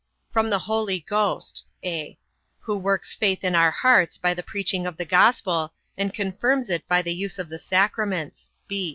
From the Holy Ghost, (a) who works faith in our hearts by the preaching of the gospel, and confirms it by the use of the sacraments.